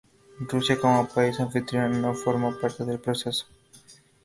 Rusia, como país anfitrión, no formó parte del proceso.